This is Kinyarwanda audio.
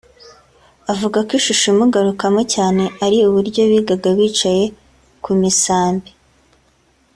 avuga ko ishusho imugarukamo cyane ari uburyo bigaga bicaye ku misambi